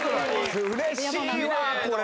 うれしいわこれ。